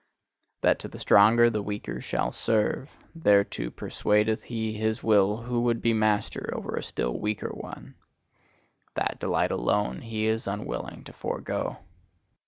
That to the stronger the weaker shall serve thereto persuadeth he his will who would be master over a still weaker one. That delight alone he is unwilling to forego.